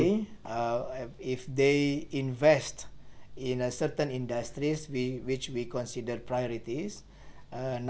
đối với các doanh nghiệp việt nam muốn đầu tư vào thị trường indonesia chúng tôi có những chính sách miễn thuế khi đầu tư vào những ngành ưu tiên